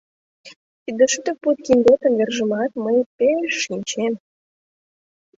Тиде шӱдӧ пуд киндетым вержымат мый пеш шинчем.